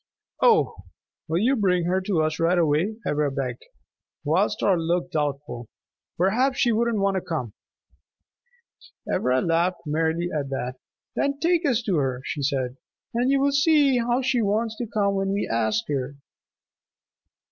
"Oh, will you bring her to us right away?" Ivra begged. Wild Star looked doubtful. "Perhaps she wouldn't want to come." Ivra laughed merrily at that. "Then take us to her," she said, "and you will see how she wants to come when we ask her."